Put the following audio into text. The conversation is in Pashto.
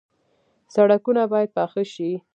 سړکونه باید پاخه شي